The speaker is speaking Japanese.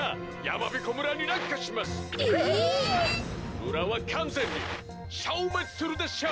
「むらはかんぜんにしょうめつするでしょう」。